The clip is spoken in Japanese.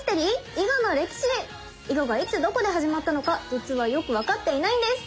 囲碁がいつどこで始まったのか実はよく分かっていないんです！